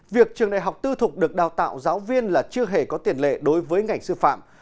việc trường đại học tư thục được đào tạo giáo viên là chưa hề có tiền lệ đối với ngành sư phạm